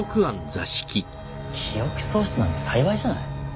記憶喪失なんて幸いじゃない。